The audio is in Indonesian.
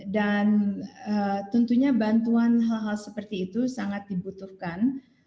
dan tentunya bantuan hal hal seperti itu sangat dibutuhkan